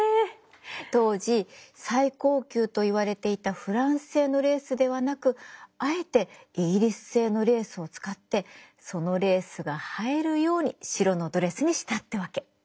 当時最高級といわれていたフランス製のレースではなくあえてイギリス製のレースを使ってそのレースが映えるように白のドレスにしたってわけ。